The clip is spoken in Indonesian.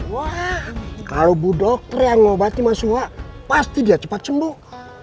wah kalau bu dokter yang ngobati mahasiswa pasti dia cepat sembuh